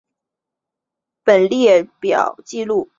本列表记录梁翘柏的所创作的音乐作品